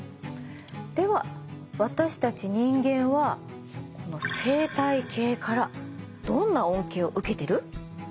では私たち人間はこの生態系からどんな恩恵を受けてる？